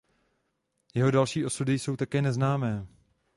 Jeho další osudy jsou také neznámé.